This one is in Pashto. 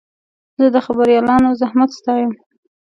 زه د خبریالانو زحمت ستایم.